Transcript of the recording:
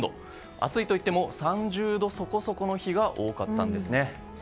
暑いといっても３０度そこそこの日が多かったんですね。